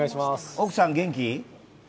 奥さん、元気？